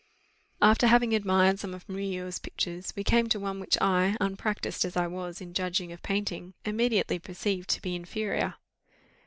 After having admired some of Murillo's pictures, we came to one which I, unpractised as I was in judging of painting, immediately perceived to be inferior.